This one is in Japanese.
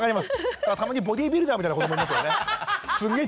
だからたまにボディービルダーみたいな子どもいますよね。